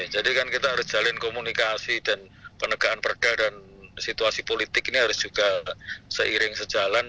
jadi kan kita harus jalan komunikasi dan penegaan perda dan situasi politik ini harus juga seiring sejalan